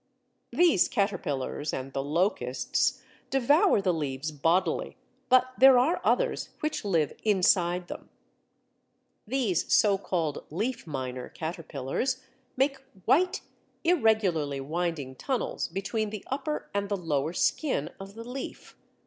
These caterpillars and the locusts devour the leaves bodily, but there are others which live inside them. These so called "leaf miner" caterpillars make white irregularly winding tunnels between the upper and the lower skin of the leaf.